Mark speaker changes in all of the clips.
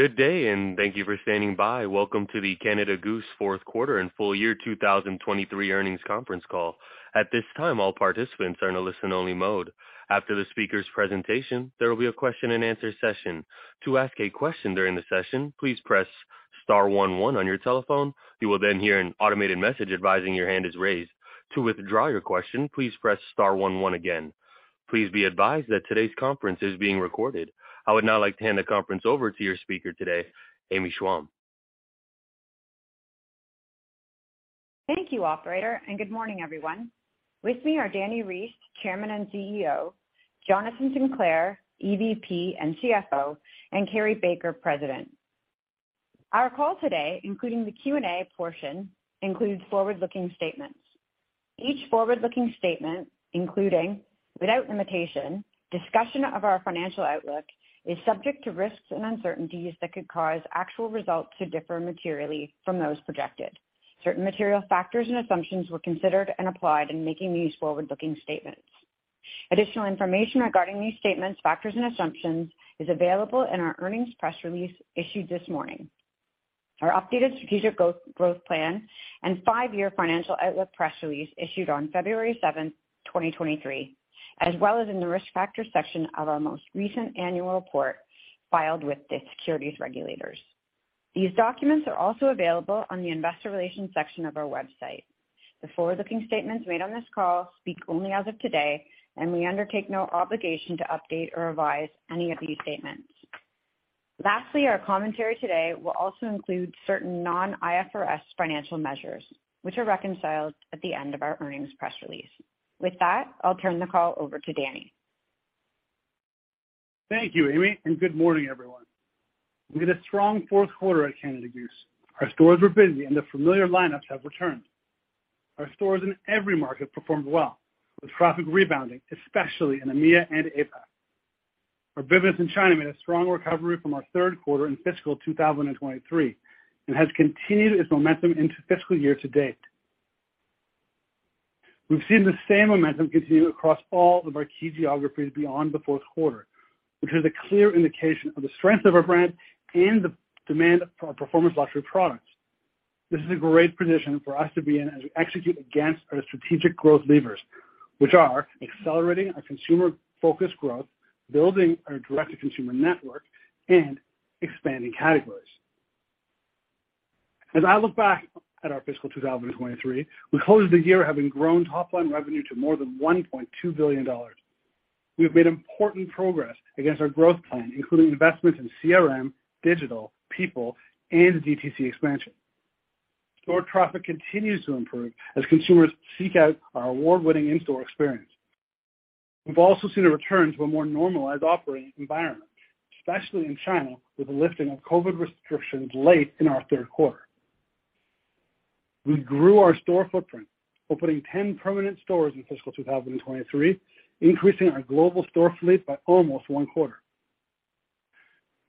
Speaker 1: Good day, and thank you for standing by. Welcome to the Canada Goose fourth quarter and full year 2023 earnings conference call. At this time, all participants are in a listen-only mode. After the speaker's presentation, there will be a question-and-answer session. To ask a question during the session, please press star one one on your telephone. You will then hear an automated message advising your hand is raised. To withdraw your question, please press star one one again. Please be advised that today's conference is being recorded. I would now like to hand the conference over to your speaker today, Amy Schwalm.
Speaker 2: Thank you, operator, and good morning, everyone. With me are Dani Reiss, Chairman and CEO, Jonathan Sinclair, EVP and CFO, and Carrie Baker, President. Our call today, including the Q&A portion, includes forward-looking statements. Each forward-looking statement, including without limitation, discussion of our financial outlook is subject to risks and uncertainties that could cause actual results to differ materially from those projected. Certain material factors and assumptions were considered and applied in making these forward-looking statements. Additional information regarding these statements, factors, and assumptions is available in our earnings press release issued this morning. Our updated strategic growth plan and five-year financial outlook press release issued on February 7th, 2023, as well as in the Risk Factors section of our most recent annual report filed with the securities regulators. These documents are also available on the Investor Relations section of our website. The forward-looking statements made on this call speak only as of today, and we undertake no obligation to update or revise any of these statements. Lastly, our commentary today will also include certain non-IFRS financial measures, which are reconciled at the end of our earnings press release. With that, I'll turn the call over to Dani.
Speaker 3: Thank you, Amy. Good morning, everyone. We had a strong fourth quarter at Canada Goose. Our stores were busy, and the familiar lineups have returned. Our stores in every market performed well, with traffic rebounding, especially in EMEA and APAC. Our business in China made a strong recovery from our third quarter in fiscal 2023 and has continued its momentum into fiscal year-to-date. We've seen the same momentum continue across all of our key geographies beyond the fourth quarter, which is a clear indication of the strength of our brand and the demand for our performance luxury products. This is a great position for us to be in as we execute against our strategic growth levers, which are accelerating our consumer-focused growth, building our direct-to-consumer network, and expanding categories. As I look back at our fiscal 2023, we closed the year having grown top-line revenue to more than 1.2 billion dollars. We have made important progress against our growth plan, including investments in CRM, digital, people, and DTC expansion. Store traffic continues to improve as consumers seek out our award-winning in-store experience. We've also seen a return to a more normalized operating environment, especially in China, with the lifting of COVID restrictions late in our third quarter. We grew our store footprint, opening 10 permanent stores in fiscal 2023, increasing our global store fleet by almost one-quarter.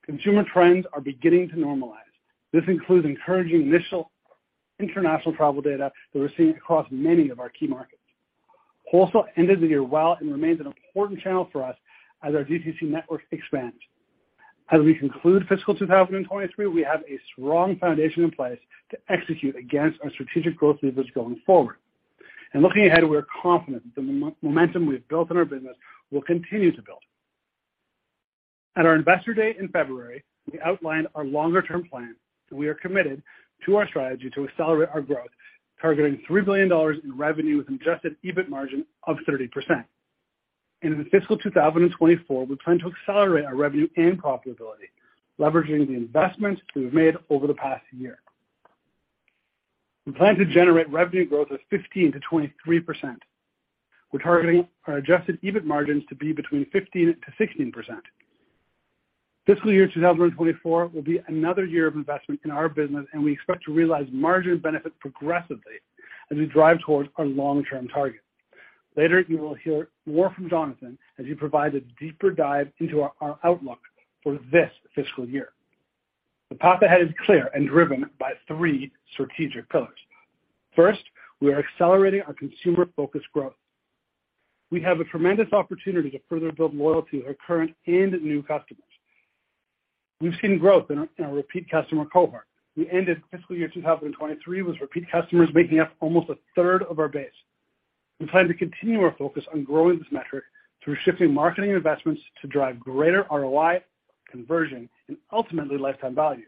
Speaker 3: Consumer trends are beginning to normalize. This includes encouraging initial international travel data that we're seeing across many of our key markets. Wholesale ended the year well and remains an important channel for us as our DTC network expands. As we conclude fiscal 2023, we have a strong foundation in place to execute against our strategic growth levers going forward. Looking ahead, we are confident that the momentum we've built in our business will continue to build. At our Investor Day in February, we outlined our longer-term plan that we are committed to our strategy to accelerate our growth, targeting 3 billion dollars in revenue with adjusted EBIT margin of 30%. In fiscal 2024, we plan to accelerate our revenue and profitability, leveraging the investments we've made over the past year. We plan to generate revenue growth of 15%-23%. We're targeting our adjusted EBIT margins to be between 15%-16%. Fiscal year 2024 will be another year of investment in our business, and we expect to realize margin benefits progressively as we drive towards our long-term target. Later, you will hear more from Jonathan as he provides a deeper dive into our outlook for this fiscal year. The path ahead is clear and driven by three strategic pillars. First, we are accelerating our consumer-focused growth. We have a tremendous opportunity to further build loyalty with our current and new customers. We've seen growth in our repeat customer cohort. We ended fiscal year 2023 with repeat customers making up almost a third of our base. We plan to continue our focus on growing this metric through shifting marketing investments to drive greater ROI, conversion, and ultimately lifetime value.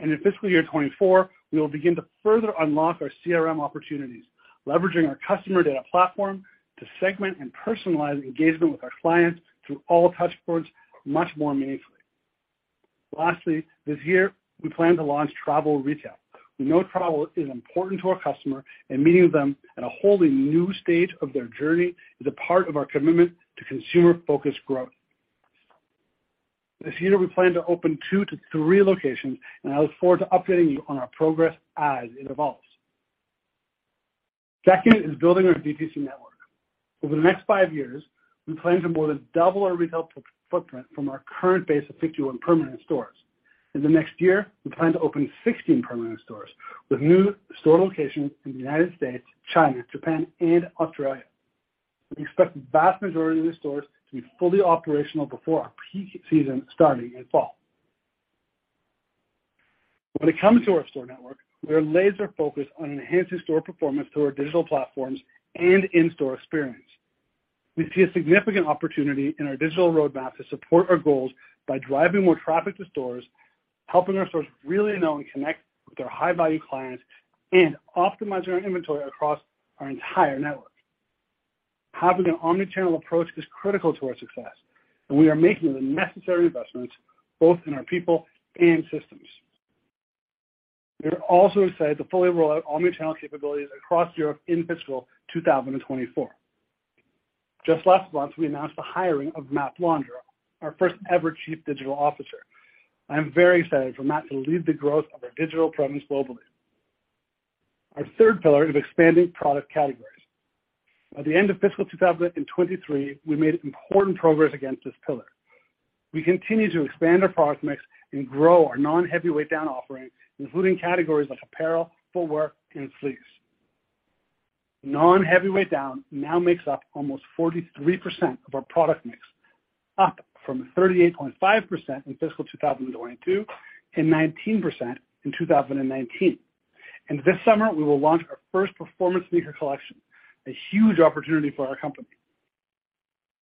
Speaker 3: In fiscal year 2024, we will begin to further unlock our CRM opportunities, leveraging our customer data platform to segment and personalize engagement with our clients through all touchpoints much more meaningfully. This year we plan to launch travel retail. We know travel is important to our customer, and meeting them at a wholly new stage of their journey is a part of our commitment to consumer-focused growth. This year, we plan to open two-three locations, and I look forward to updating you on our progress as it evolves. Second is building our DTC network. Over the next five years, we plan to more than double our retail footprint from our current base of 51 permanent stores. In the next year, we plan to open 16 permanent stores with new store locations in the United States, China, Japan, and Australia. We expect the vast majority of these stores to be fully operational before our peak season starting in fall. When it comes to our store network, we are laser focused on enhancing store performance through our digital platforms and in-store experience. We see a significant opportunity in our digital roadmap to support our goals by driving more traffic to stores, helping our stores really know and connect with their high-value clients, and optimizing our inventory across our entire network. Having an omnichannel approach is critical to our success, and we are making the necessary investments both in our people and systems. We are also excited to fully roll out omnichannel capabilities across Europe in fiscal 2024. Just last month, we announced the hiring of Matt Blonder, our first-ever Chief Digital Officer. I am very excited for Matt to lead the growth of our digital presence globally. Our third pillar is expanding product categories. At the end of fiscal 2023, we made important progress against this pillar. We continue to expand our product mix and grow our non-heavyweight down offerings, including categories like apparel, footwear, and sleeves. Non-heavyweight down now makes up almost 43% of our product mix, up from 38.5% in fiscal 2022 and 19% in 2019. This summer, we will launch our first performance sneaker collection, a huge opportunity for our company.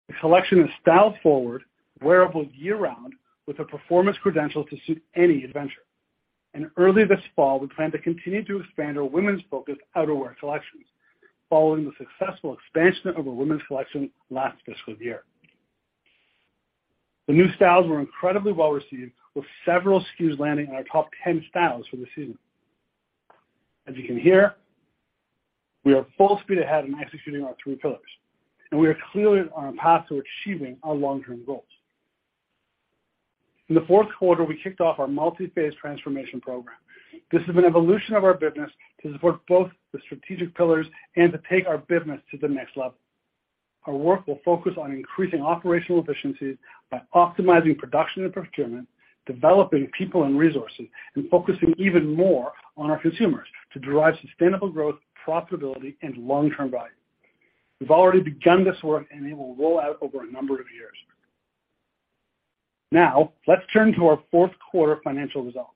Speaker 3: The collection is styled forward, wearable year-round with the performance credentials to suit any adventure. Early this fall, we plan to continue to expand our women's focused outerwear collections following the successful expansion of our women's collection last fiscal year. The new styles were incredibly well received, with several SKUs landing in our top 10 styles for the season. As you can hear, we are full speed ahead in executing our three pillars, and we are clearly on a path to achieving our long-term goals. In the fourth quarter, we kicked off our multi-phase transformation program. This is an evolution of our business to support both the strategic pillars and to take our business to the next level. Our work will focus on increasing operational efficiencies by optimizing production and procurement, developing people and resources, and focusing even more on our consumers to drive sustainable growth, profitability, and long-term value. We've already begun this work, and it will roll out over a number of years. Let's turn to our fourth quarter financial results.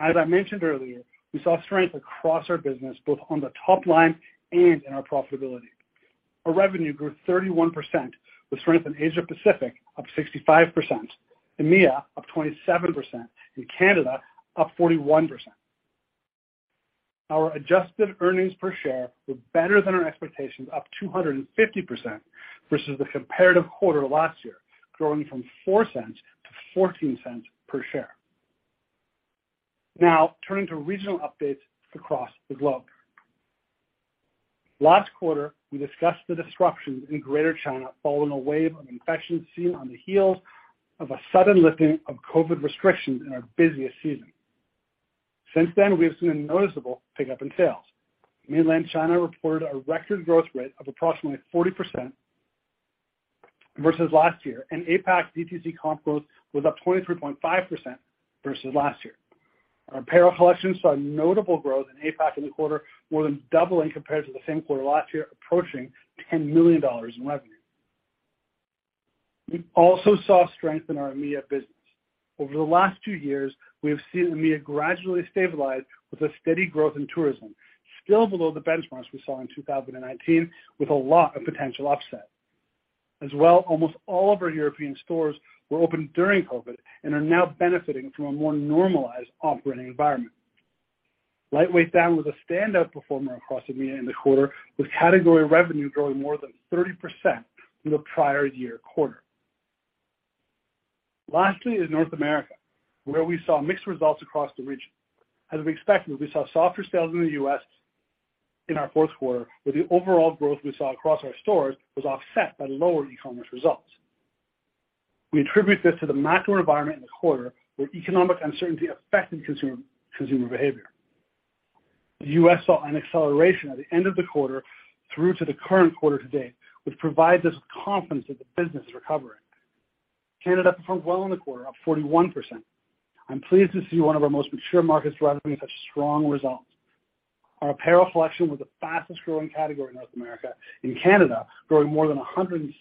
Speaker 3: As I mentioned earlier, we saw strength across our business, both on the top line and in our profitability. Our revenue grew 31%, with strength in Asia Pacific up 65%, EMEA up 27%, and Canada up 41%. Our adjusted earnings per share were better than our expectations, up 250% versus the comparative quarter last year, growing from 0.04 to 0.14 per share. Turning to regional updates across the globe. Last quarter, we discussed the disruptions in Greater China following a wave of infections seen on the heels of a sudden lifting of COVID restrictions in our busiest season. We have seen a noticeable pickup in sales. Mainland China reported a record growth rate of approximately 40% versus last year, and APAC DTC comp growth was up 23.5% versus last year. Our apparel collection saw notable growth in APAC in the quarter, more than doubling compared to the same quarter last year, approaching $10 million in revenue. We also saw strength in our EMEA business. Over the last 2 years, we have seen EMEA gradually stabilize with a steady growth in tourism, still below the benchmarks we saw in 2019, with a lot of potential upside. Almost all of our European stores were open during COVID and are now benefiting from a more normalized operating environment. Lightweight down was a standout performer across EMEA in the quarter, with category revenue growing more than 30% from the prior year quarter. Lastly is North America, where we saw mixed results across the region. As expected, we saw softer sales in the US in our fourth quarter, where the overall growth we saw across our stores was offset by lower e-commerce results. We attribute this to the macro environment in the quarter, where economic uncertainty affected consumer behavior. The US saw an acceleration at the end of the quarter through to the current quarter to date, which provides us with confidence that the business is recovering. Canada performed well in the quarter, up 41%. I'm pleased to see one of our most mature markets driving such strong results. Our apparel collection was the fastest growing category in North America. In Canada, growing more than 170%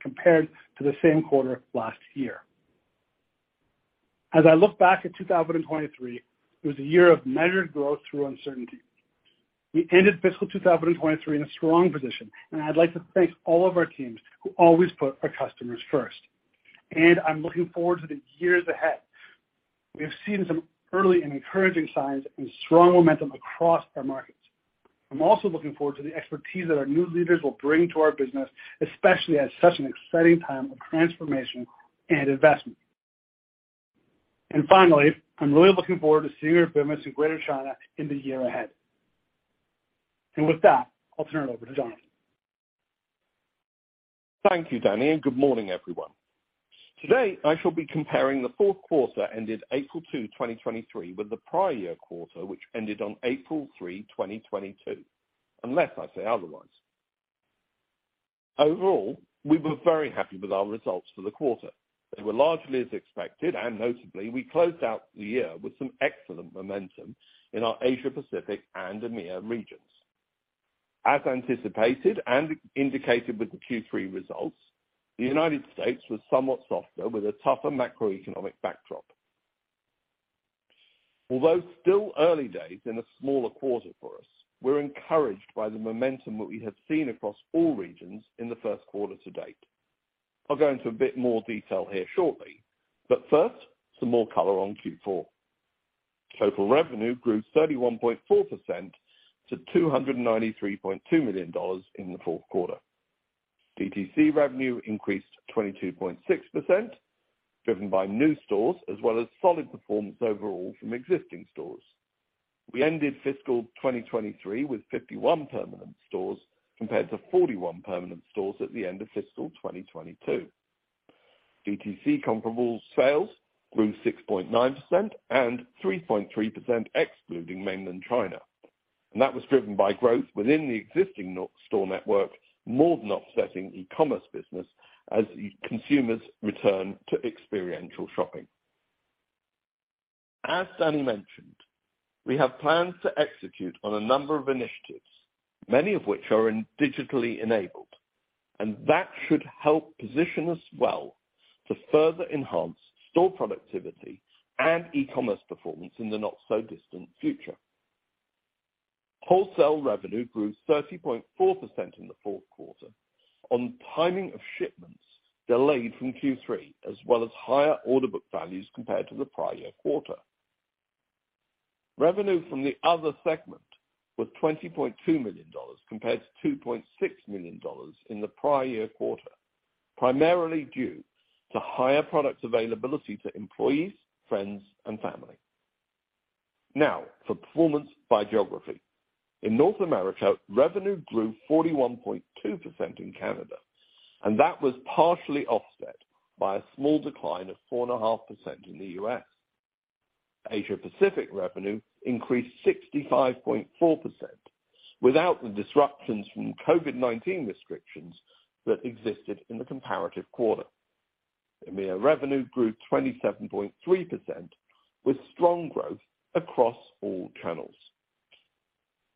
Speaker 3: compared to the same quarter last year. As I look back at 2023, it was a year of measured growth through uncertainty. We ended fiscal 2023 in a strong position. I'd like to thank all of our teams who always put our customers first. I'm looking forward to the years ahead. We have seen some early and encouraging signs and strong momentum across our markets. I'm also looking forward to the expertise that our new leaders will bring to our business, especially at such an exciting time of transformation and investment. Finally, I'm really looking forward to seeing our business in Greater China in the year ahead. With that, I'll turn it over to Jonathan.
Speaker 4: Thank you, Dani, and good morning, everyone. Today, I shall be comparing the fourth quarter ended April 2, 2023, with the prior year quarter, which ended on April 3, 2022, unless I say otherwise. Overall, we were very happy with our results for the quarter. They were largely as expected. Notably, we closed out the year with some excellent momentum in our Asia Pacific and EMEA regions. As anticipated and indicated with the Q3 results, the United States was somewhat softer with a tougher macroeconomic backdrop. Although still early days in a smaller quarter for us, we're encouraged by the momentum that we have seen across all regions in the first quarter to date. I'll go into a bit more detail here shortly. First, some more color on Q4. Total revenue grew 31.4% to 293.2 million dollars in the fourth quarter. DTC revenue increased 22.6%, driven by new stores as well as solid performance overall from existing stores. We ended fiscal 2023 with 51 permanent stores compared to 41 permanent stores at the end of fiscal 2022. DTC comparable sales grew 6.9% and 3.3% excluding mainland China. That was driven by growth within the existing store network more than offsetting e-commerce business as consumers return to experiential shopping. As Dani mentioned, we have plans to execute on a number of initiatives, many of which are digitally enabled, that should help position us well to further enhance store productivity and e-commerce performance in the not-so-distant future. Wholesale revenue grew 30.4% in the fourth quarter on timing of shipments delayed from Q3, as well as higher order book values compared to the prior year quarter. Revenue from the other segment was 20.2 million dollars compared to 2.6 million dollars in the prior year quarter, primarily due to higher product availability to employees, friends and family. Now, for performance by geography. In North America, revenue grew 41.2% in Canada, that was partially offset by a small decline of 4.5% in the US. Asia Pacific revenue increased 65.4% without the disruptions from COVID-19 restrictions that existed in the comparative quarter. EMEA revenue grew 27.3%, with strong growth across all channels.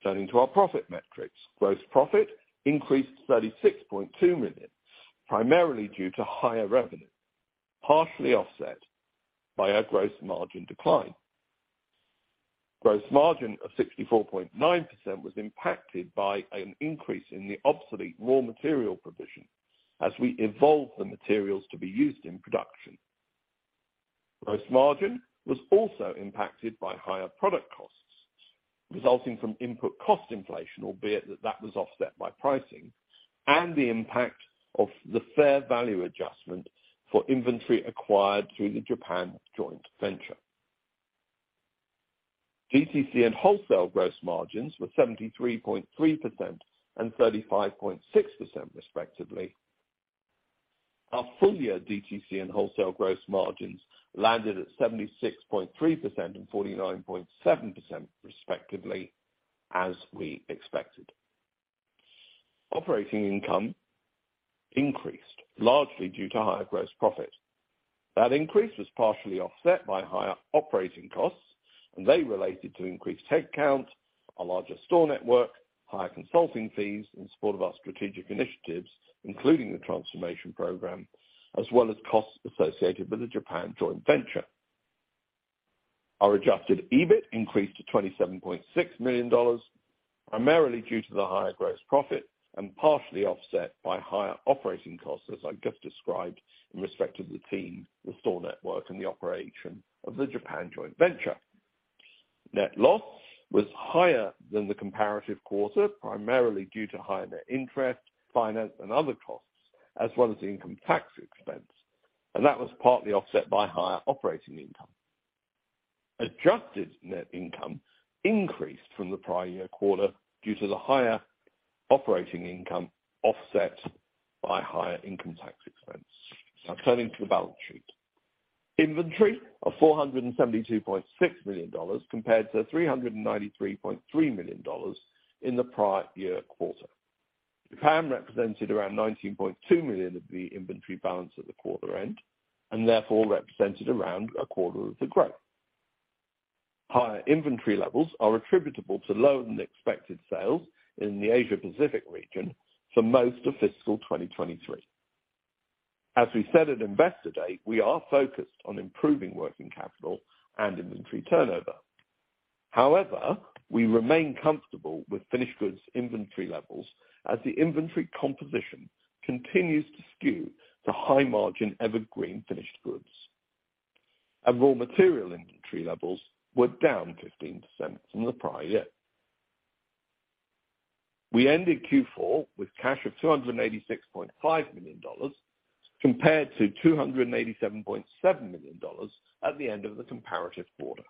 Speaker 4: Turning to our profit metrics. Gross profit increased to 36.2 million, primarily due to higher revenue, partially offset by a gross margin decline. Gross margin of 64.9% was impacted by an increase in the obsolete raw material provision as we evolve the materials to be used in production. Gross margin was also impacted by higher product costs resulting from input cost inflation, albeit that was offset by pricing and the impact of the fair value adjustment for inventory acquired through the Japan joint venture. DTC and wholesale gross margins were 73.3% and 35.6%, respectively. Our full year DTC and wholesale gross margins landed at 76.3% and 49.7%, respectively, as we expected. Operating income increased largely due to higher gross profit. That increase was partially offset by higher operating costs. They related to increased headcount, a larger store network, higher consulting fees in support of our strategic initiatives, including the transformation program, as well as costs associated with the Japan joint venture. Our adjusted EBIT increased to 27.6 million dollars, primarily due to the higher gross profit and partially offset by higher operating costs, as I just described, in respect of the team, the store network, and the operation of the Japan joint venture. Net loss was higher than the comparative quarter, primarily due to higher net interest, finance, and other costs as well as income tax expense. That was partly offset by higher operating income. Adjusted net income increased from the prior year quarter due to the higher operating income offset by higher income tax expense. Turning to the balance sheet. Inventory of 472.6 million dollars compared to 393.3 million dollars in the prior year quarter. Japan represented around 19.2 million of the inventory balance at the quarter end and therefore represented around a quarter of the growth. Higher inventory levels are attributable to lower than expected sales in the Asia Pacific region for most of fiscal 2023. As we said at Investor Day, we are focused on improving working capital and inventory turnover. However, we remain comfortable with finished goods inventory levels as the inventory composition continues to skew to high margin evergreen finished goods. Raw material inventory levels were down 15% from the prior year. We ended Q4 with cash of 286.5 million dollars compared to 287.7 million dollars at the end of the comparative quarter.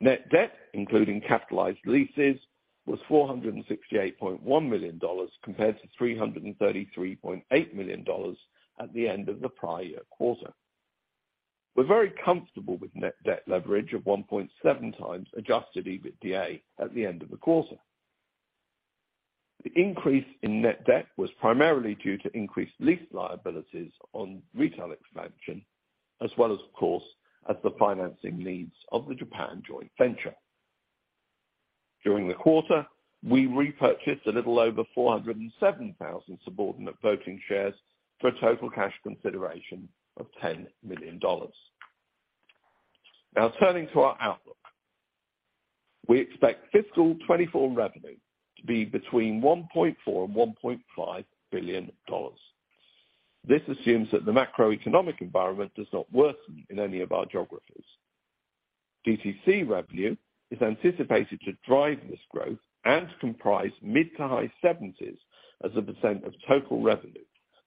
Speaker 4: Net debt, including capitalized leases, was 468.1 million dollars compared to 333.8 million dollars at the end of the prior year quarter. We're very comfortable with net debt leverage of 1.7x adjusted EBITDA at the end of the quarter. The increase in net debt was primarily due to increased lease liabilities on retail expansion, as well as, of course, the financing needs of the Japan joint venture. During the quarter, we repurchased a little over 407,000 subordinate voting shares for a total cash consideration of 10 million dollars. Now turning to our outlook. We expect fiscal 2024 revenue to be between 1.4 billion and 1.5 billion dollars. This assumes that the macroeconomic environment does not worsen in any of our geographies. DTC revenue is anticipated to drive this growth and comprise mid-to-high-70s as a percent of total revenue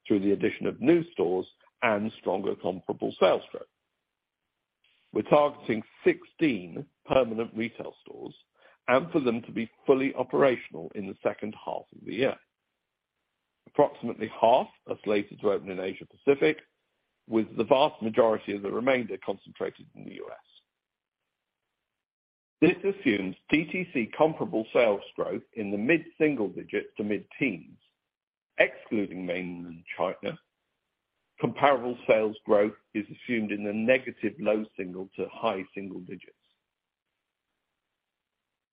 Speaker 4: through the addition of new stores and stronger comparable sales growth. We're targeting 16 permanent retail stores and for them to be fully operational in the second half of the year. Approximately half are slated to open in Asia Pacific, with the vast majority of the remainder concentrated in the U.S. This assumes DTC comparable sales growth in the mid-single-digits to mid-teens. Excluding Mainland China, comparable sales growth is assumed in the negative low-single- to high-single-digits.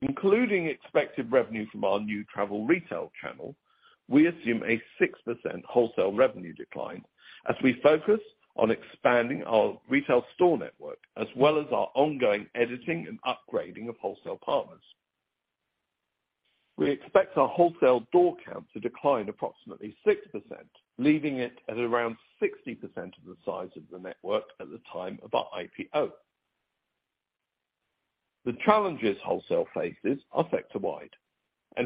Speaker 4: Including expected revenue from our new travel retail channel, we assume a 6% wholesale revenue decline as we focus on expanding our retail store network as well as our ongoing editing and upgrading of wholesale partners. We expect our wholesale door count to decline approximately 6%, leaving it at around 60% of the size of the network at the time of our IPO.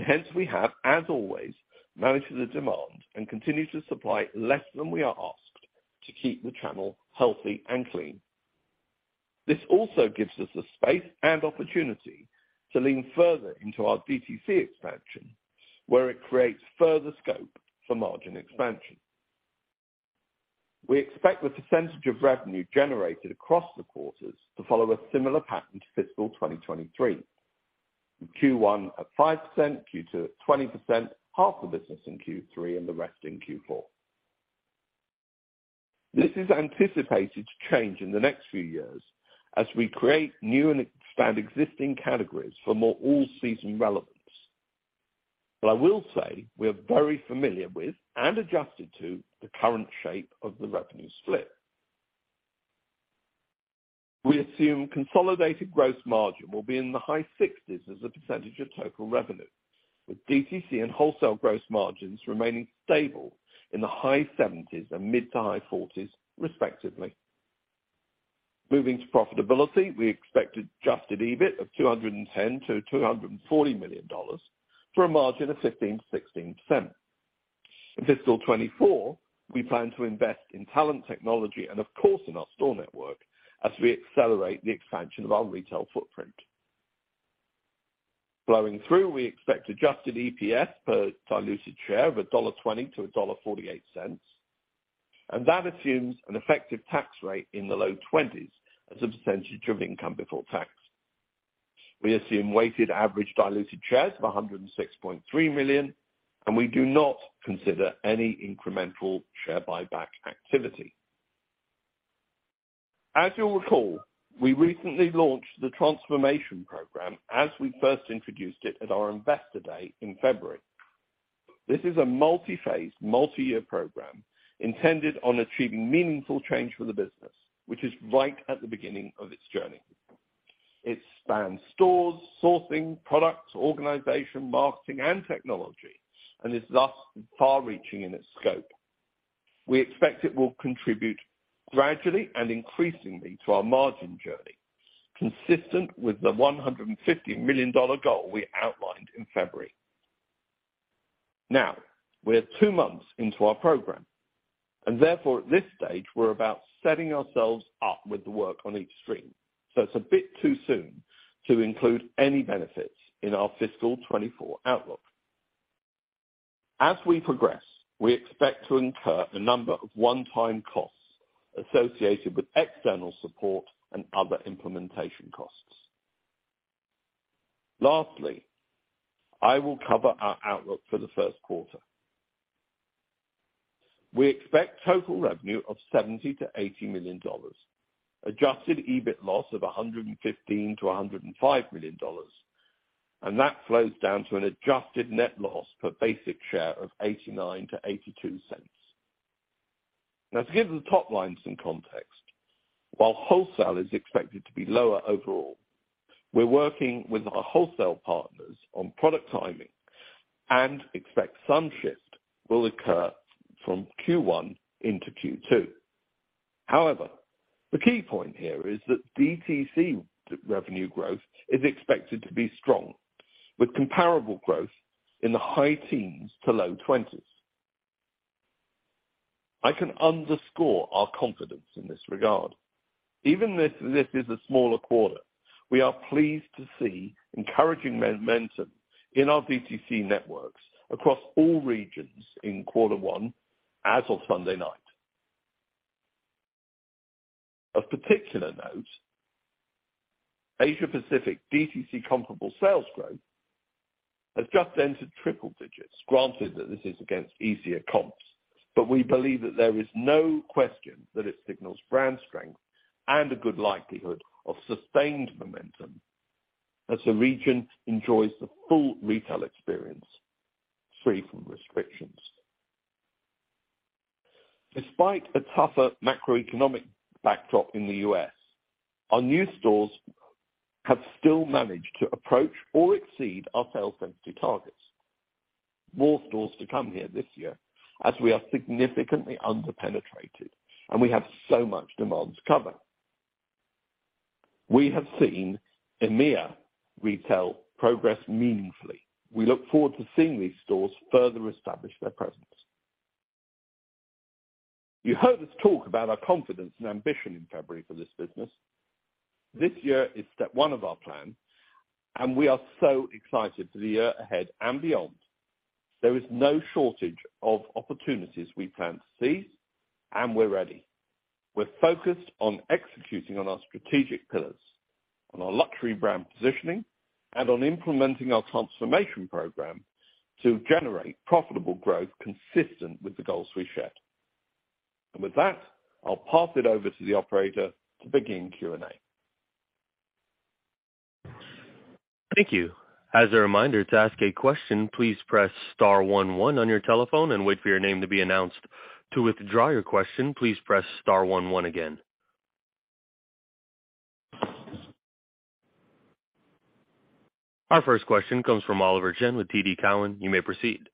Speaker 4: Hence we have, as always, managed the demand and continue to supply less than we are asked to keep the channel healthy and clean. This also gives us the space and opportunity to lean further into our DTC expansion, where it creates further scope for margin expansion. We expect the percentage of revenue generated across the quarters to follow a similar pattern to fiscal 2023, with Q1 at 5%, Q2 at 20%, half the business in Q3, and the rest in Q4. This is anticipated to change in the next few years as we create new and expand existing categories for more all-season relevance. I will say we are very familiar with and adjusted to the current shape of the revenue split. We assume consolidated gross margin will be in the high sixties as a percentage of total revenue, with DTC and wholesale gross margins remaining stable in the high seventies and mid to high forties respectively. Moving to profitability, we expect adjusted EBIT of 210 million-240 million dollars for a margin of 15%-16%. In fiscal 2024, we plan to invest in talent technology and of course in our store network as we accelerate the expansion of our retail footprint. Flowing through, we expect adjusted EPS per diluted share of dollar 1.20 to dollar 1.48, That assumes an effective tax rate in the low 20s as a percent of income before tax. We assume weighted average diluted shares of 106.3 million, We do not consider any incremental share buyback activity. As you'll recall, we recently launched the transformation program as we first introduced it at our Investor Day in February. This is a multi-phase, multi-year program intended on achieving meaningful change for the business, which is right at the beginning of its journey. It spans stores, sourcing, products, organization, marketing, and technology, and is thus far-reaching in its scope. We expect it will contribute gradually and increasingly to our margin journey, consistent with the 150 million dollar goal we outlined in February. We're two months into our program, and therefore at this stage we're about setting ourselves up with the work on each stream, so it's a bit too soon to include any benefits in our fiscal 2024 outlook. As we progress, we expect to incur a number of one-time costs associated with external support and other implementation costs. Lastly, I will cover our outlook for the first quarter. We expect total revenue of 70 million-80 million dollars, adjusted EBIT loss of 115 million-105 million dollars, and that flows down to an adjusted net loss per basic share of 0.89-0.82. To give the top line some context, while wholesale is expected to be lower overall, we're working with our wholesale partners on product timing and expect some shift will occur from Q1 into Q2. The key point here is that DTC revenue growth is expected to be strong with comparable growth in the high teens-low 20s. I can underscore our confidence in this regard. We are pleased to see encouraging momentum in our DTC networks across all regions in quarter one as of Sunday night. Of particular note, Asia Pacific DTC comparable sales growth has just entered triple digits, granted that this is against easier comps. We believe that there is no question that it signals brand strength and a good likelihood of sustained momentum as the region enjoys the full retail experience free from restrictions. Despite a tougher macroeconomic backdrop in the U.S., our new stores have still managed to approach or exceed our sales density targets. More stores to come here this year as we are significantly under-penetrated, and we have so much demand to cover. We have seen EMEA retail progress meaningfully. We look forward to seeing these stores further establish their presence. You heard us talk about our confidence and ambition in February for this business. This year is step one of our plan, and we are so excited for the year ahead and beyond. There is no shortage of opportunities we plan to seize, and we're ready. We're focused on executing on our strategic pillars, on our luxury brand positioning, and on implementing our transformation program to generate profitable growth consistent with the goals we shared. With that, I'll pass it over to the operator to begin Q&A.
Speaker 1: Thank you. As a reminder to ask a question, please press star one one on your telephone and wait for your name to be announced. To withdraw your question, please press star one one again. Our first question comes from Oliver Chen with TD Cowen. You may proceed.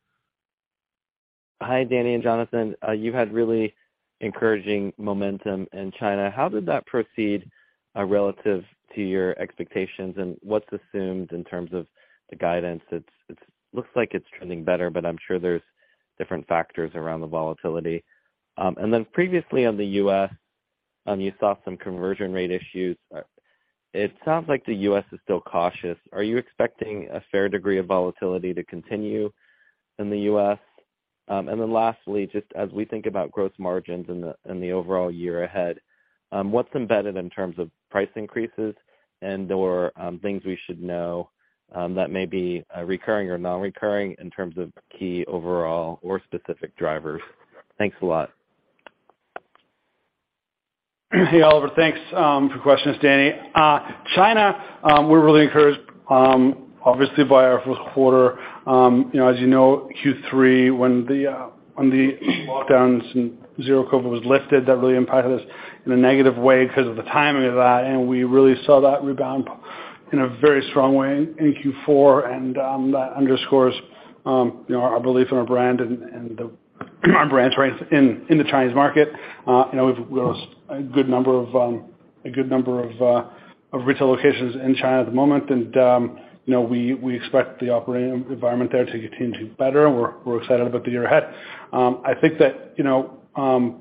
Speaker 5: Hi, Dani and Jonathan. You had really encouraging momentum in China. How did that proceed relative to your expectations? What's assumed in terms of the guidance? It looks like it's trending better, but I'm sure there's different factors around the volatility. Previously on the U.S., you saw some conversion rate issues. It sounds like the U.S. is still cautious. Are you expecting a fair degree of volatility to continue in the U.S.? Lastly, just as we think about gross margins in the overall year ahead, what's embedded in terms of price increases and or things we should know that may be recurring or non-recurring in terms of key overall or specific drivers? Thanks a lot.
Speaker 3: Hey, Oliver. Thanks for questions, it's Dani. China, we're really encouraged obviously by our first quarter. You know, as you know, Q3, when the lockdowns and zero COVID was lifted, that really impacted us in a negative way because of the timing of that, and we really saw that rebound in a very strong way in Q4. That underscores, you know, our belief in our brand and our brand strength in the Chinese market. You know, we've a good number of retail locations in China at the moment. You know, we expect the operating environment there to continue to better. We're excited about the year ahead. I think that, you know,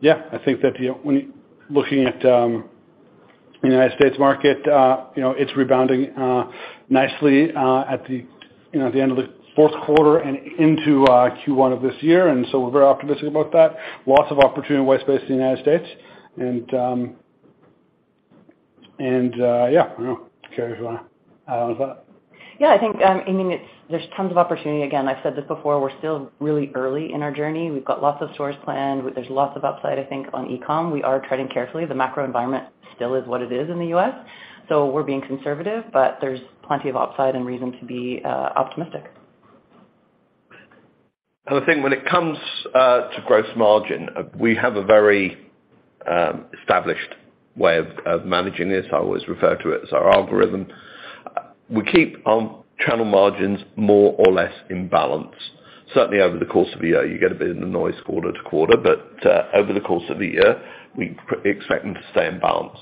Speaker 3: yeah, I think that, you know, when looking at the United States market, you know, it's rebounding nicely at the, you know, at the end of the fourth quarter and into Q1 of this year. So we're very optimistic about that. Lots of opportunity in white space in the United States. Yeah, you know, Carrie, do you wanna add on to that?
Speaker 6: Yeah, I think, I mean, there's tons of opportunity. I've said this before, we're still really early in our journey. We've got lots of stores planned. There's lots of upside, I think, on e-com. We are treading carefully. The macro environment still is what it is in the U.S., so we're being conservative. There's plenty of upside and reason to be optimistic.
Speaker 4: I think when it comes to gross margin, we have a very established way of managing this. I always refer to it as our algorithm. We keep our channel margins more or less in balance. Certainly over the course of a year, you get a bit of the noise quarter to quarter, but over the course of the year, we expect them to stay in balance.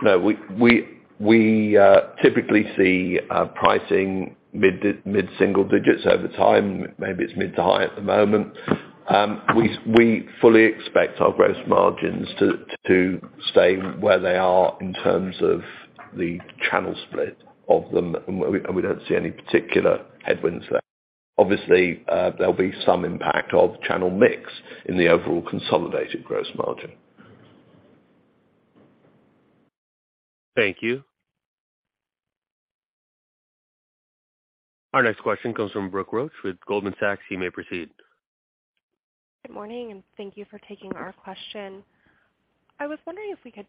Speaker 4: You know, we typically see pricing mid single digits over time. Maybe it's mid to high at the moment. We fully expect our gross margins to stay where they are in terms of the channel split of them, and we don't see any particular headwinds there. Obviously, there'll be some impact of channel mix in the overall consolidated gross margin.
Speaker 1: Thank you. Our next question comes from Brooke Roach with Goldman Sachs. You may proceed.
Speaker 7: Good morning, and thank you for taking our question. I was wondering if we could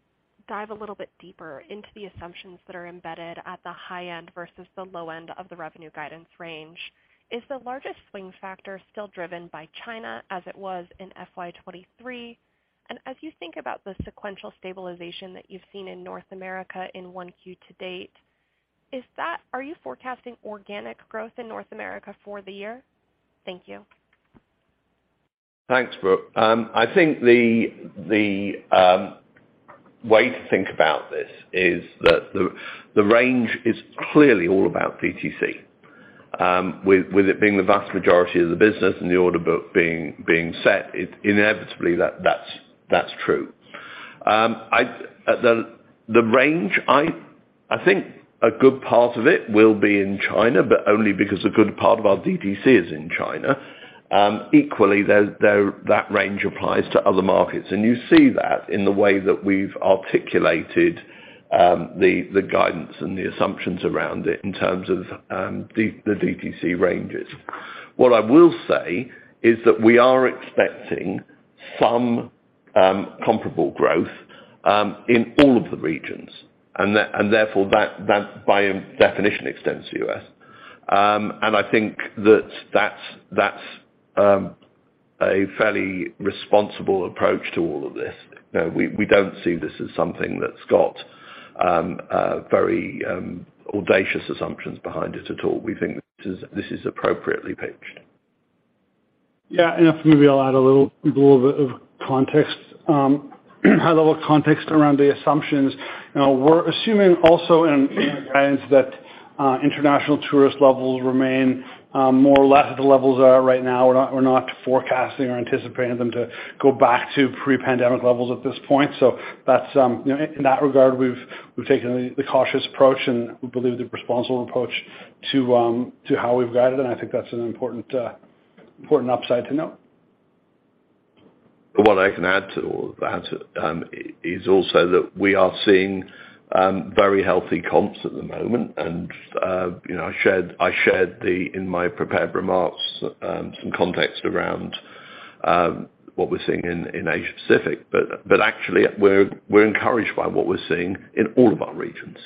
Speaker 7: dive a little bit deeper into the assumptions that are embedded at the high end versus the low end of the revenue guidance range. Is the largest swing factor still driven by China as it was in FY 2023? As you think about the sequential stabilization that you've seen in North America in 1Q to date, are you forecasting organic growth in North America for the year? Thank you.
Speaker 4: Thanks, Brooke. I think the way to think about this is that the range is clearly all about DTC. With it being the vast majority of the business and the order book being set, it inevitably that's true. The range, I think a good part of it will be in China, but only because a good part of our DTC is in China. Equally, that range applies to other markets. You see that in the way that we've articulated the guidance and the assumptions around it in terms of the DTC ranges. What I will say is that we are expecting some comparable growth in all of the regions, and therefore that by definition extends to U.S. I think that's a fairly responsible approach to all of this. You know, we don't see this as something that's got very audacious assumptions behind it at all. We think this is appropriately pitched.
Speaker 3: Yeah. Maybe I'll add a little bit of context, high-level context around the assumptions. You know, we're assuming also in our guidance that international tourist levels remain more or less at the levels they are right now. We're not forecasting or anticipating them to go back to pre-pandemic levels at this point. That's, you know, in that regard, we've taken the cautious approach, and we believe the responsible approach to how we've guided. I think that's an important upside to note.
Speaker 4: What I can add to all of that, is also that we are seeing very healthy comps at the moment, and, you know, I shared the, in my prepared remarks, some context around what we're seeing in Asia-Pacific. Actually we're encouraged by what we're seeing in all of our regions.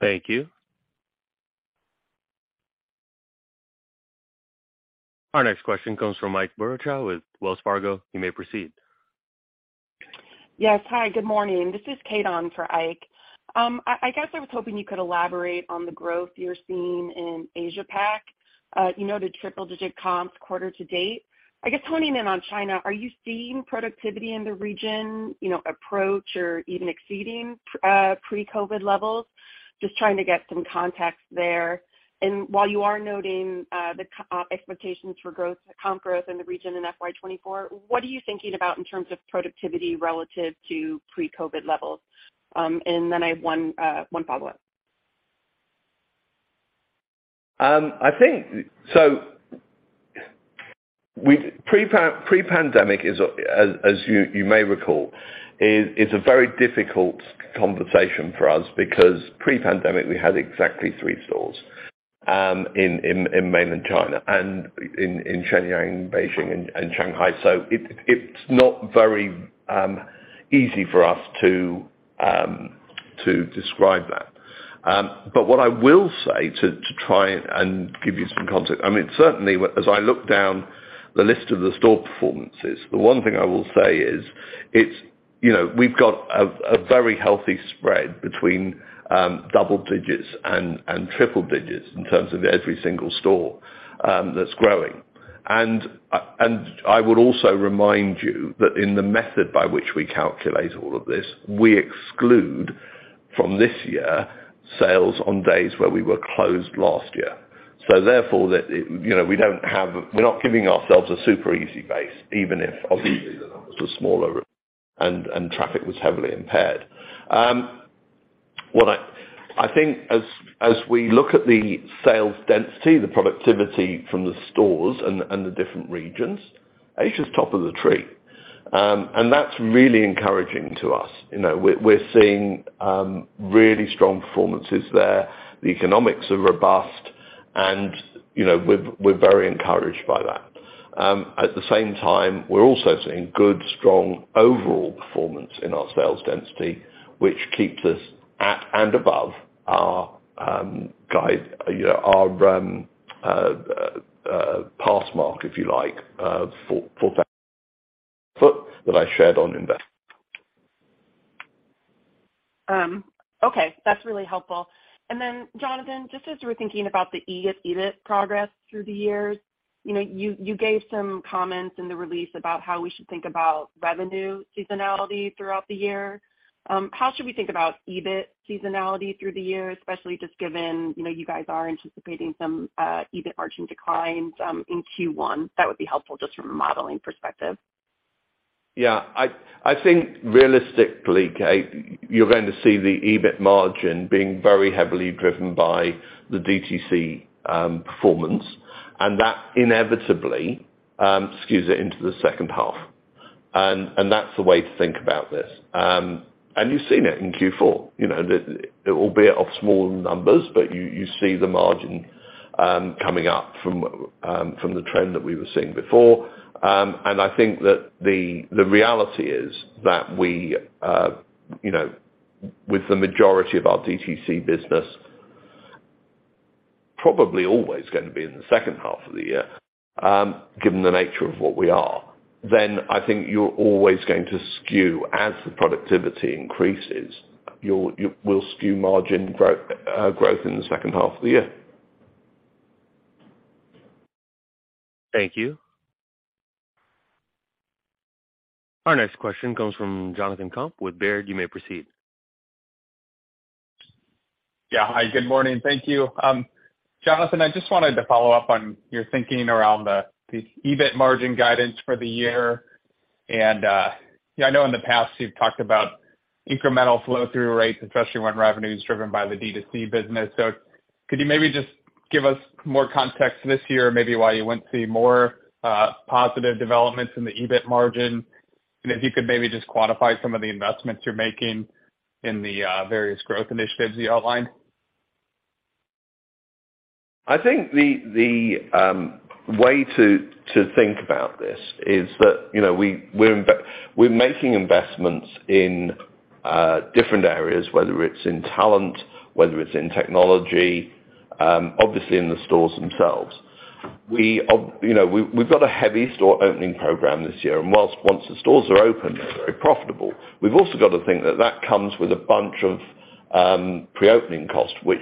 Speaker 1: Thank you. Our next question comes from Ike Boruchow with Wells Fargo. You may proceed.
Speaker 8: Yes. Hi, good morning. This is Kate on for Ike. I guess I was hoping you could elaborate on the growth you're seeing in Asia Pac. You noted triple digit comps quarter to date. I guess honing in on China, are you seeing productivity in the region, you know, approach or even exceeding pre-COVID levels? Just trying to get some context there. While you are noting expectations for growth, comp growth in the region in FY 2024, what are you thinking about in terms of productivity relative to pre-COVID levels? Then I have one follow-up.
Speaker 4: I think pre-pandemic is, as you may recall, it's a very difficult conversation for us because pre-pandemic we had exactly three stores in mainland China and in Shenyang, Beijing and Shanghai. It's not very easy for us to describe that. What I will say to try and give you some context, I mean, certainly as I look down the list of the store performances, the one thing I will say is it's, you know, we've got a very healthy spread between double digits and triple digits in terms of every single store that's growing. I would also remind you that in the method by which we calculate all of this, we exclude from this year sales on days where we were closed last year. Therefore that, you know, we're not giving ourselves a super easy base, even if obviously the numbers were smaller and traffic was heavily impaired. What I think as we look at the sales density, the productivity from the stores and the different regions, Asia's top of the tree. That's really encouraging to us. You know, we're seeing really strong performances there. The economics are robust and, you know, we're very encouraged by that. At the same time, we're also seeing good, strong overall performance in our sales density, which keeps us at and above our guide, you know, our pass mark, if you like, for that I shared on Investor Day.
Speaker 8: Okay. That's really helpful. And then Jonathan, just as we're thinking about the EBIT progress through the years, you know, you gave some comments in the release about how we should think about revenue seasonality throughout the year. How should we think about EBIT seasonality through the year, especially just given, you know, you guys are anticipating some EBIT margin declines in Q1? That would be helpful just from a modeling perspective.
Speaker 4: Yeah. I think realistically, Kate, you're going to see the EBIT margin being very heavily driven by the DTC performance, and that inevitably skews it into the second half. That's the way to think about this. You've seen it in Q4, you know. It will be of small numbers, but you see the margin coming up from the trend that we were seeing before. I think that the reality is that we, you know, with the majority of our DTC business probably always gonna be in the second half of the year, given the nature of what we are, I think you're always going to skew as the productivity increases, you will skew margin growth in the second half of the year.
Speaker 1: Thank you. Our next question comes from Jonathan Komp with Baird. You may proceed.
Speaker 9: Yeah. Hi, good morning. Thank you. Jonathan, I just wanted to follow up on your thinking around the EBIT margin guidance for the year and, yeah, I know in the past you've talked about incremental flow through rates, especially when revenue is driven by the D2C business. Could you maybe just give us more context this year, maybe why you wouldn't see more positive developments in the EBIT margin? If you could maybe just quantify some of the investments you're making in the various growth initiatives you outlined.
Speaker 4: I think the way to think about this is that, you know, we're making investments in different areas, whether it's in talent, whether it's in technology, obviously in the stores themselves. We, you know, we've got a heavy store opening program this year, and whilst once the stores are open, they're very profitable. We've also got to think that that comes with a bunch of pre-opening costs, which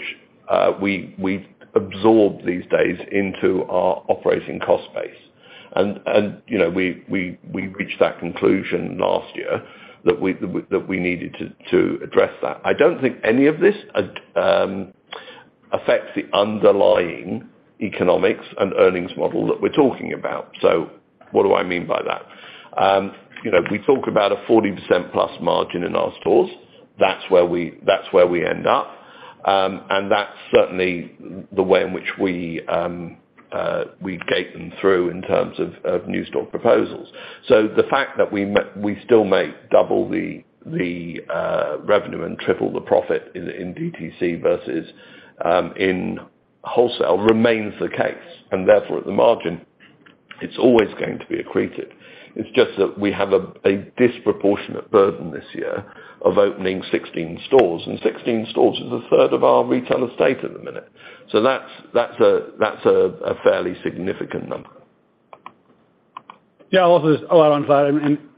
Speaker 4: we've absorbed these days into our operating cost base. You know, we reached that conclusion last year that we needed to address that. I don't think any of this affects the underlying economics and earnings model that we're talking about. What do I mean by that? You know, we talk about a 40% plus margin in our stores. That's where we end up. That's certainly the way in which we gate them through in terms of new store proposals. The fact that we still make double the revenue and triple the profit in DTC versus in wholesale remains the case. Therefore, at the margin, it's always going to be accreted. It's just that we have a disproportionate burden this year of opening 16 stores, and 16 stores is a third of our retail estate at the minute. That's a fairly significant number.
Speaker 3: Yeah. I'll also add on to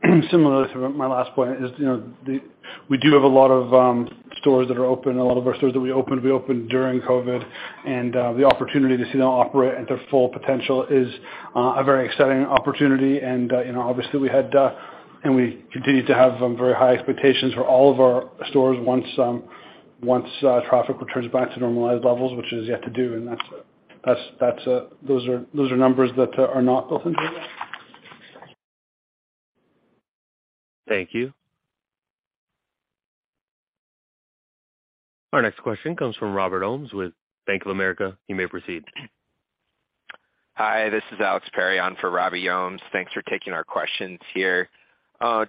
Speaker 3: that, similar to my last point is, you know, we do have a lot of stores that are open. A lot of our stores that we opened, we opened during COVID. The opportunity to see them operate at their full potential is a very exciting opportunity. You know, obviously we had and we continue to have very high expectations for all of our stores once traffic returns back to normalized levels, which is yet to do. That's those are numbers that are not built into it.
Speaker 1: Thank you. Our next question comes from Robert Ohmes with Bank of America. You may proceed.
Speaker 10: Hi, this is Alex Perry on for Robert Ohmes. Thanks for taking our questions here.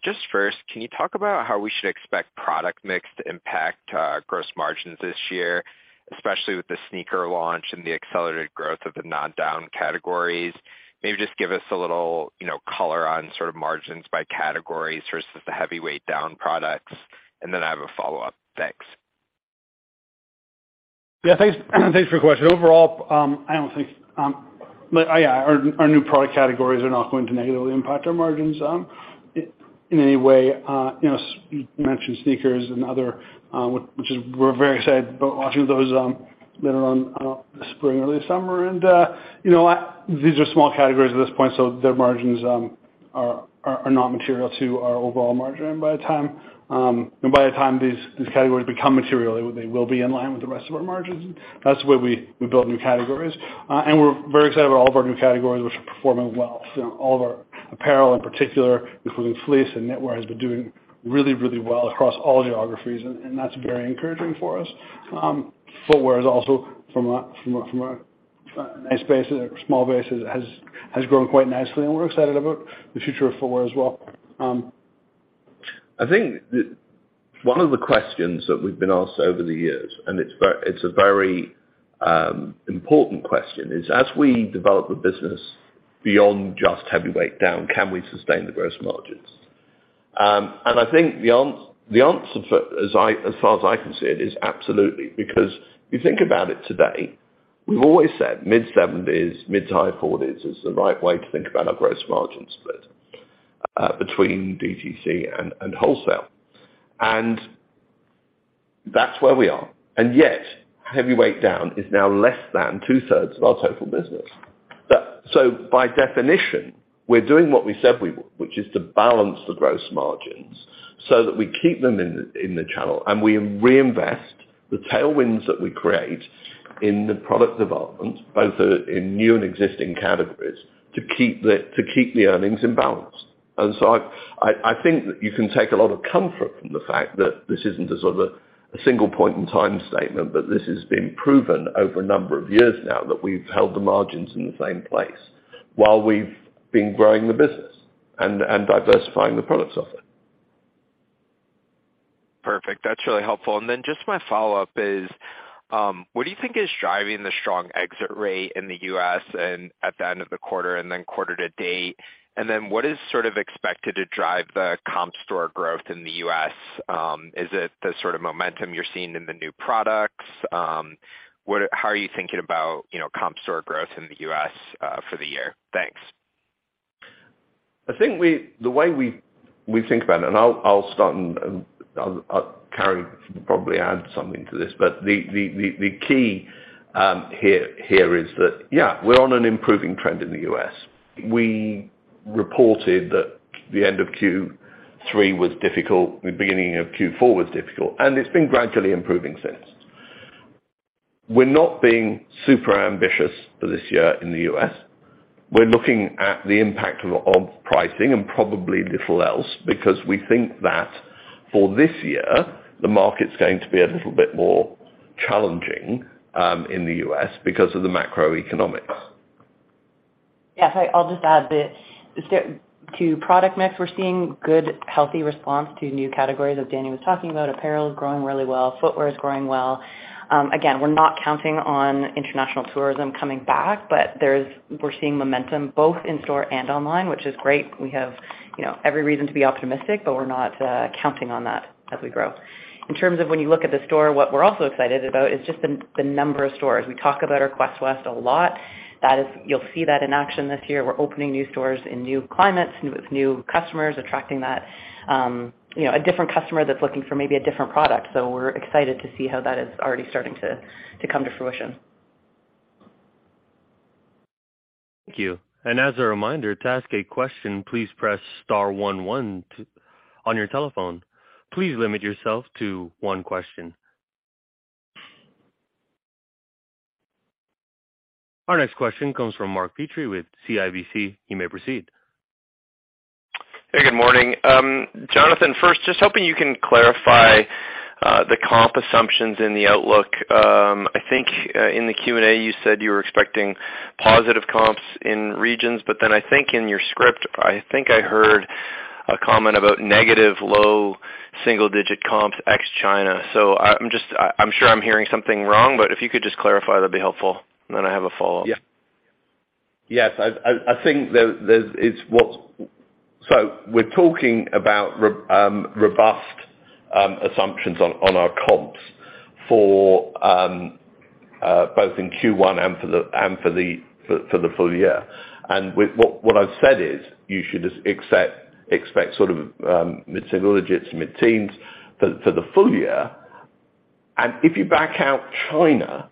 Speaker 10: just first, can you talk about how we should expect product mix to impact gross margins this year, especially with the sneaker launch and the accelerated growth of the non-down categories? Maybe just give us a little, you know, color on sort of margins by categories versus the heavyweight down products. I have a follow-up. Thanks.
Speaker 3: Yeah, thanks. Thanks for your question. Overall, I don't think. Yeah, our new product categories are not going to negatively impact our margins in any way. You know, you mentioned sneakers and other, which is we're very excited about launching those later on the spring, early summer. You know, these are small categories at this point, so their margins are not material to our overall margin. By the time, by the time these categories become material, they will be in line with the rest of our margins. That's the way we build new categories. We're very excited about all of our new categories which are performing well. You know, all of our apparel in particular, including fleece and knitwear, has been doing really, really well across all geographies, and that's very encouraging for us. Footwear is also from a nice base, a small base, has grown quite nicely, and we're excited about the future of footwear as well.
Speaker 4: I think one of the questions that we've been asked over the years, and it's a very important question, is as we develop a business beyond just heavyweight down, can we sustain the gross margins? I think the answer for as far as I can see it, is absolutely. If you think about it today, we've always said mid-seventies, mid to high forties is the right way to think about our gross margin split between DTC and wholesale. That's where we are. Yet, heavyweight down is now less than 2/3 of our total business. By definition, we're doing what we said we would, which is to balance the gross margins so that we keep them in the channel, and we reinvest the tailwinds that we create in the product development, both in new and existing categories, to keep the earnings in balance. I think that you can take a lot of comfort from the fact that this isn't a sort of a single point in time statement, but this has been proven over a number of years now that we've held the margins in the same place while we've been growing the business and diversifying the products of it.
Speaker 10: Perfect. That's really helpful. Just my follow-up is, what do you think is driving the strong exit rate in the U.S. at the end of the quarter and then quarter to date? What is sort of expected to drive the comp store growth in the U.S.? Is it the sort of momentum you're seeing in the new products? How are you thinking about, you know, comp store growth in the U.S. for the year? Thanks.
Speaker 4: I think the way we think about it, and I'll start and Carrie can probably add something to this. The key here is that, yeah, we're on an improving trend in the U.S. We reported that the end of Q3 was difficult, the beginning of Q4 was difficult, and it's been gradually improving since. We're not being super ambitious for this year in the U.S. We're looking at the impact of pricing and probably little else, because we think that for this year, the market's going to be a little bit more challenging in the U.S. because of the macroeconomics.
Speaker 6: Yes. I'll just add that to product mix, we're seeing good, healthy response to new categories, as Dani was talking about. Apparel is growing really well. Footwear is growing well. again, we're not counting on international tourism coming back, but we're seeing momentum both in store and online, which is great. We have, you know, every reason to be optimistic, but we're not counting on that as we grow. In terms of when you look at the store, what we're also excited about is just the number of stores. We talk about our Quest West a lot. That is. You'll see that in action this year. We're opening new stores in new climates with new customers, attracting that, you know, a different customer that's looking for maybe a different product. We're excited to see how that is already starting to come to fruition.
Speaker 1: Thank you. As a reminder, to ask a question, please press star one one on your telephone. Please limit yourself to one question. Our next question comes from Mark Petrie with CIBC. You may proceed.
Speaker 11: Hey, good morning. Jonathan, first, just hoping you can clarify the comp assumptions in the outlook? I think in the Q&A, you said you were expecting positive comps in regions, but then I think in your script, I think I heard a comment about negative low single-digit comps ex-China. I'm sure I'm hearing something wrong, but if you could just clarify, that'd be helpful. I have a follow-up.
Speaker 4: Yeah. Yes. I think it's what. We're talking about robust assumptions on our comps for both in Q1 and for the full year. What I've said is, you should just expect sort of mid-single digits to mid-teens for the full year. If you back out China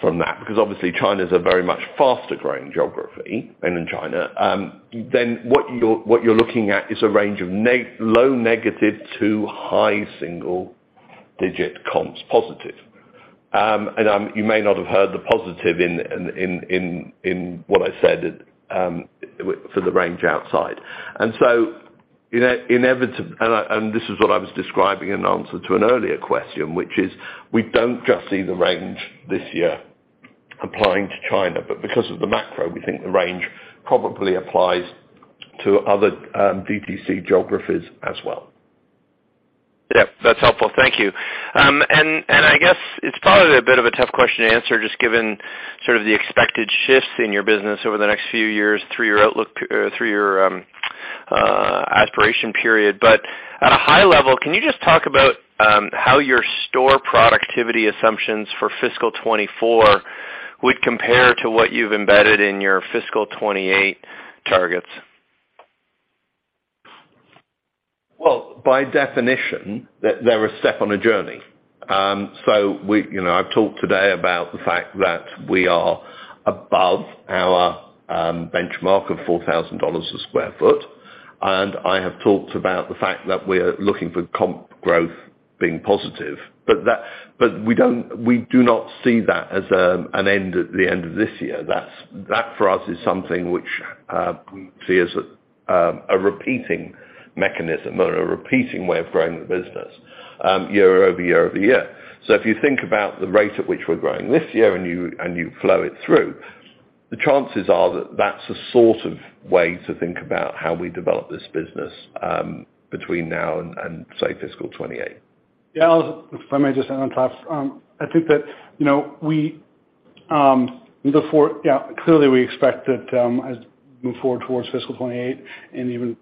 Speaker 4: from that, because obviously China's a very much faster-growing geography than in China, then what you're looking at is a range of low negative to high single digit comps positive. And you may not have heard the positive in what I said for the range outside. Inevitable and this is what I was describing in answer to an earlier question, which is we don't just see the range this year applying to China, but because of the macro, we think the range probably applies to other DTC geographies as well.
Speaker 11: Yeah, that's helpful. Thank you. I guess it's probably a bit of a tough question to answer just given sort of the expected shifts in your business over the next few years through your outlook or through your aspiration period. At a high level, can you just talk about how your store productivity assumptions for fiscal 24 would compare to what you've embedded in your fiscal 28 targets?
Speaker 4: By definition, they're a step on a journey. You know, I've talked today about the fact that we are above our benchmark of 4,000 dollars a square foot, and I have talked about the fact that we're looking for comp growth being positive. We do not see that as an end at the end of this year. That for us is something which we see as a repeating mechanism or a repeating way of growing the business year over year over year. If you think about the rate at which we're growing this year and you, and you flow it through, the chances are that that's a sort of way to think about how we develop this business between now and, say, fiscal 2028.
Speaker 3: Yeah. If I may just add on top. I think that, you know, we, clearly, we expect that, as move forward towards fiscal 28 and even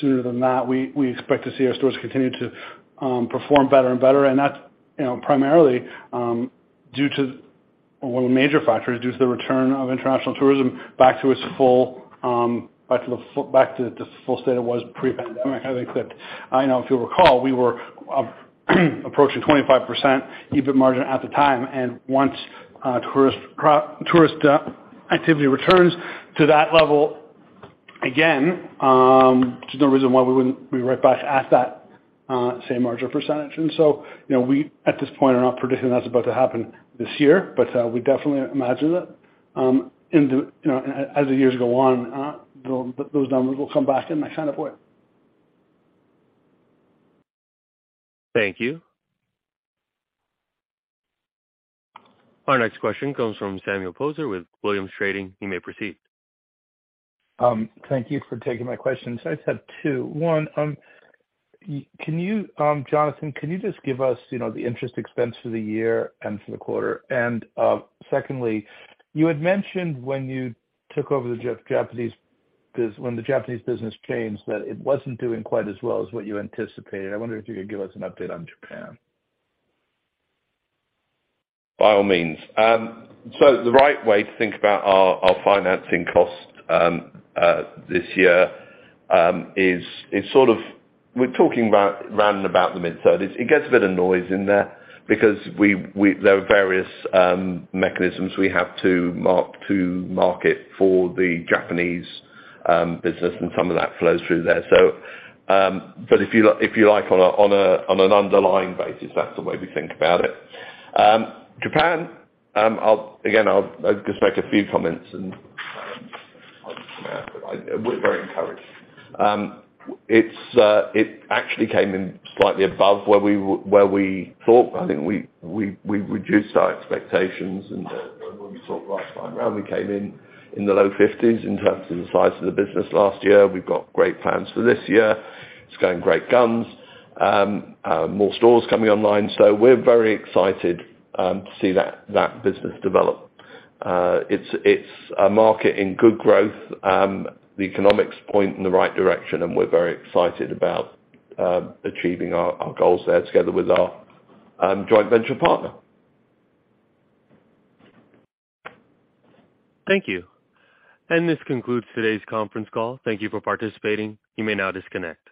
Speaker 3: sooner than that, we expect to see our stores continue to perform better and better. That's, you know, primarily, due to one of the major factors, due to the return of international tourism back to its full, back to the full state it was pre-pandemic, as they put. You know, if you'll recall, we were approaching 25% EBIT margin at the time. Once, tourist activity returns to that level again, there's no reason why we wouldn't be right back at that same margin percentage. You know, we, at this point, are not predicting that's about to happen this year, but we definitely imagine that, in the, you know, as the years go on, those numbers will come back in a kind of way.
Speaker 1: Thank you. Our next question comes from Sam Poser with Williams Trading. You may proceed.
Speaker 12: Thank you for taking my questions. I just have two. One, Jonathan, can you just give us, you know, the interest expense for the year and for the quarter? Secondly, you had mentioned when you took over the Japanese business changed, that it wasn't doing quite as well as what you anticipated. I wonder if you could give us an update on Japan.
Speaker 4: By all means. The right way to think about our financing cost this year is we're talking about round about the mid-30s. It gets a bit of noise in there because there are various mechanisms we have to mark, to market for the Japanese business, and some of that flows through there. But if you like on an underlying basis, that's the way we think about it. Japan, again, I'll just make a few comments and we're very encouraged. It actually came in slightly above where we thought. I think we reduced our expectations when we talked last time around, we came in the low 50s in terms of the size of the business last year. We've got great plans for this year. It's going great guns. More stores coming online. We're very excited to see that business develop. It's a market in good growth. The economics point in the right direction, we're very excited about achieving our goals there together with our joint venture partner.
Speaker 1: Thank you. This concludes today's conference call. Thank you for participating. You may now disconnect.